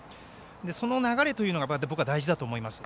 その流れというのが僕は大事だと思います。